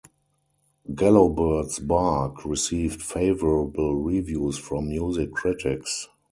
"Gallowsbird's Bark" received favorable reviews from music critics.